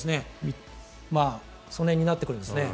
その辺になってくるんですね。